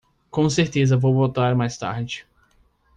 Com certeza vou voltar mais tarde.